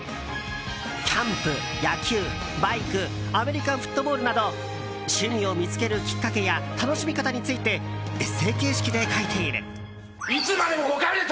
キャンプ、野球、バイクアメリカンフットボールなど趣味を見つけるきっかけや楽しみ方についてエッセー形式で書いている。